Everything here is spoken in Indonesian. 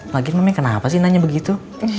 lagian mami kenapa sih nanya begitu